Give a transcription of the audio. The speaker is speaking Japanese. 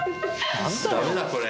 ダメだこれ。